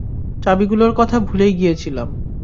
চাবিগুলোর কথা ভুলেই গিয়েছিলাম।